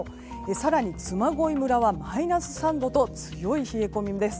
更に、嬬恋村はマイナス３度と強い冷え込みです。